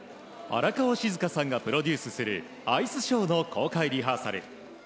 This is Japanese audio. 荒川静香さんがプロデュースするアイスショーの公開リハーサル。